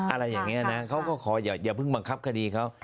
อะไรอย่างนี้นะเขาก็ขออย่าเพิ่งบังคับคดีเขา